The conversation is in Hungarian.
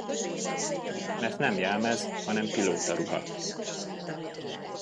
Mert nem jelmez, hanem pilótaruha.